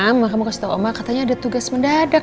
mama mau kasih tau oma katanya ada tugas mendadak